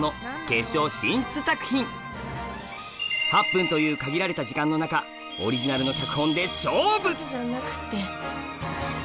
８分という限られた時間の中オリジナルの脚本で勝負！